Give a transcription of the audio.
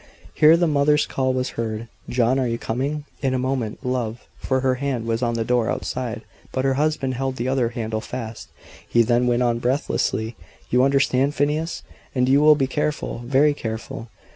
Here the mother's call was heard. "John, are you coming?" "In a moment, love," for her hand was on the door outside; but her husband held the other handle fast. He then went on, breathlessly, "You understand, Phineas? And you will be careful, very careful?